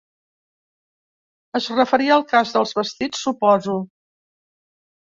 Es referia al cas dels vestits, suposo.